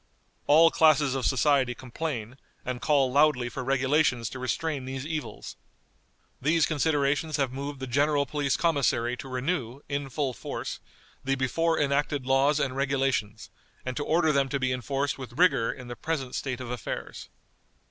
All classes of society complain, and call loudly for regulations to restrain these evils. These considerations have moved the General Police Commissary to renew, in full force, the before enacted laws and regulations, and to order them to be enforced with rigor in the present state of affairs."